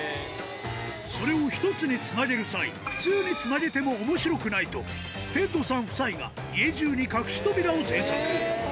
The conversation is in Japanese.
それを１つにつなげる際、普通につなげてもおもしろくないと、テッドさん夫妻が家じゅうに隠し扉を製作。